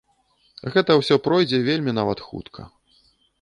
Гэта ўсё пройдзе вельмі нават хутка.